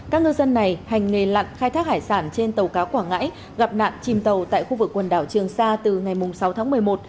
các ngư dân này hành nghề lặn khai thác hải sản trên tàu cá quảng ngãi gặp nạn chìm tàu tại khu vực quần đảo trường sa từ ngày sáu tháng một mươi một